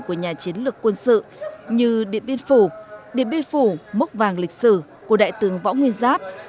chiến lược quân sự như địa biên phủ địa biên phủ mốc vàng lịch sử của đại tướng võ nguyên giáp